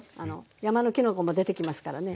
山のきのこも出てきますからね。